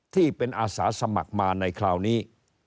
ที่เป็นอาสาสมัครมาในคราวนี้